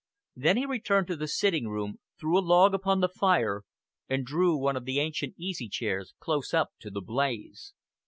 Then he returned to the sitting room, threw a log upon the fire, and drew one of the ancient easy chairs close up to the blaze.